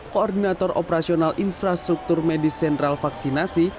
koordinator operasional infrastruktur medis sentral vaksinasi